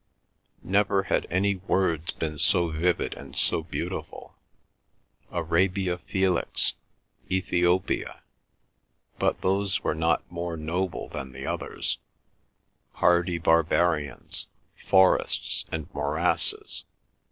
Never had any words been so vivid and so beautiful—Arabia Felix—Aethiopia. But those were not more noble than the others, hardy barbarians, forests, and morasses.